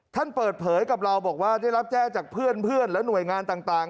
ท่านเปิดเผยกับเราบอกว่าได้รับแจ้งจากเพื่อนและหน่วยงานต่าง